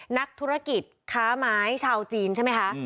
นักธุรกิจค้าไม้ชาวจีนใช่ไหมคะ